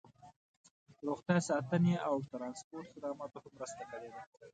روغتیا ساتنې او ټرانسپورټ خدماتو هم مرسته کړې ده